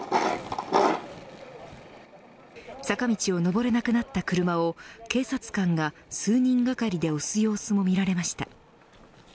坂道を上れなくなった車を警察官が数人がかりで押す様子も見られました。